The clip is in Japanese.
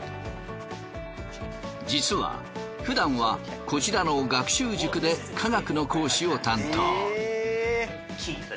実はふだんはこちらの学習塾で化学の講師を担当。